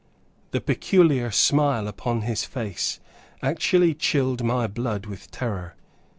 The peculiar smile upon his face actually chilled my blood with terror.